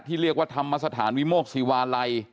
เรียกว่าธรรมสถานวิโมกศิวาลัย